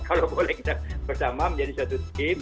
kalau boleh kita bersama menjadi satu tim